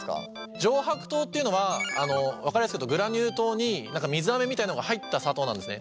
上白糖っていうのは分かりやすく言うとグラニュー糖に水あめみたいのが入った砂糖なんですね。